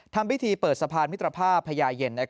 ทำพิธีเปิดสะพานมิตรภาพพญาเย็น